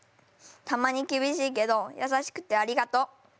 たまにきびしいけどやさしくてありがとう。